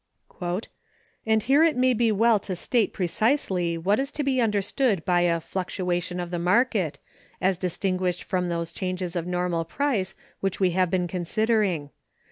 "And here it may be well to state precisely what is to be understood by a 'fluctuation of the market,' as distinguished from those changes of normal price which we have been considering.